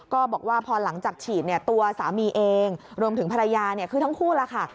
ก็บอกว่าพอหลังจากฉีดตัวสามีเองรวมถึงภรรยาคือทั้งคู่ล่ะค่ะ